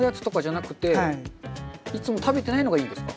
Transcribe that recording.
いつも食べてないのがいいんですか？